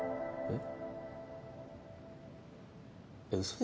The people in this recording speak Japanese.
えっ。